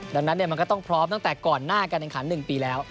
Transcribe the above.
ดังนั้นมันก็ต้องพร้อมตั้งแต่ก่อนหน้าการแข่งขัน๑ปีแล้ว